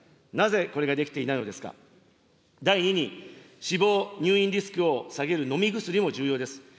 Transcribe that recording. なぜこれができていないのですか、第２に、死亡・入院リスクを下げる飲み薬も重要です。